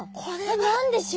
何でしょう？